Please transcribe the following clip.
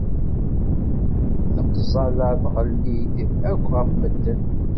Deqzalla tɣelli-d akk ɣef medden.